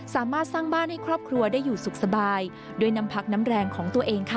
สามารถสร้างบ้านให้ครอบครัวได้อยู่สุขสบายด้วยน้ำพักน้ำแรงของตัวเองค่ะ